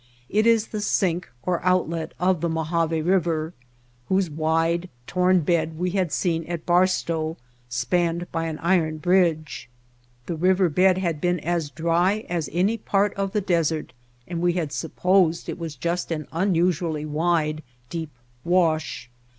It is the sink, or outlet of the Mojave River, whose wide, torn bed we had seen at Barstow spanned by an iron bridge. The river bed had been as dry as any part of the desert, and we had supposed it was just an un usually wide, deep wash.